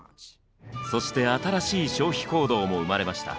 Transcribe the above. そして新しい消費行動も生まれました。